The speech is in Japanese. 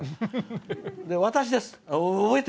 「私です」。